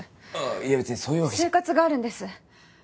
いや別にそういうわけじゃ生活があるんです